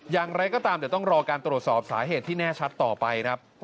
อย่างไรก็ตามเดี๋ยวต้องรอการตรวจสอบสาเหตุที่แน่ชัดต่อไปครับ